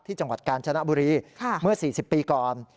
จังหวัดกาญจนบุรีเมื่อ๔๐ปีก่อน